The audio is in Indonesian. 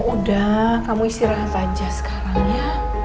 udah kamu istirahat aja sekarang ya